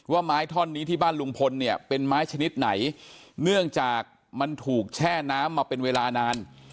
ว่าไม้ท่อนนี้ที่บ้านลุงพลเนี่ยเป็นไม้ชนิดไหนเนื่องจากมันถูกแช่น้ำมาเป็นเวลานาน